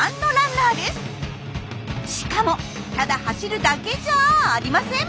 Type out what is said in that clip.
しかもただ走るだけじゃあありません。